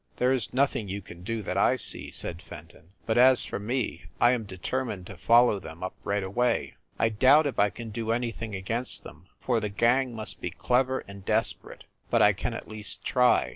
"There is nothing you can do, that I see," said Fenton. "But as for me, I am determined to follow them up right away. I doubt if I can do anything against them, for the gang must be clever and des perate. But I can at least try.